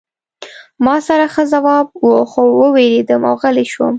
ما سره ښه ځواب و خو ووېرېدم او غلی شوم